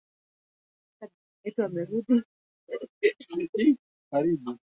tunatafuta anuani nzuri na rahisi ya tovuti